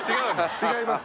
違います。